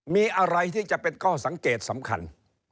มีอะไรที่จะเป็นข้อสังเกตสำคัญ